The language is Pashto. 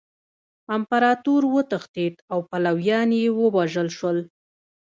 امپراطور وتښتید او پلویان یې ووژل شول.